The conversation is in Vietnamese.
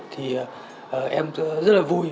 thì em rất là vui